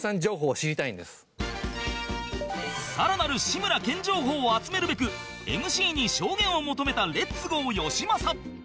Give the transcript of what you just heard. さらなる志村けん情報を集めるべく ＭＣ に証言を求めたレッツゴーよしまさ